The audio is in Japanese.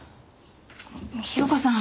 広子さん